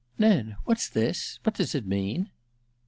"Ned! What's this? What does it mean?"